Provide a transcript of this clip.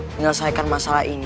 menyelesaikan masalah ini